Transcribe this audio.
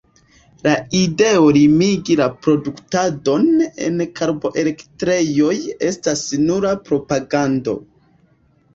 La ideo limigi la produktadon en karboelektrejoj estas nura propagando.